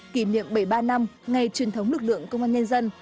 kỷ niệm bảy mươi ba năm ngày truyền thống lực lượng công an nhân dân